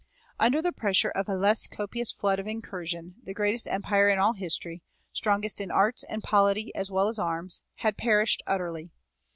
Under the pressure of a less copious flood of incursion the greatest empire in all history, strongest in arts and polity as well as arms, had perished utterly.